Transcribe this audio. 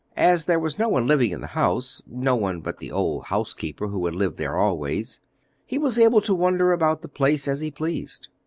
As there was no one living in the house, no one but the old housekeeper who had lived there always, he was able to wander about the place as he pleased.